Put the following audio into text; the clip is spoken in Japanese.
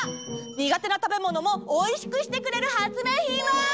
にがてなたべものもおいしくしてくれる発明品は？